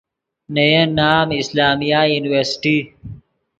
نے ین نام اسلامیہ یورنیورسٹی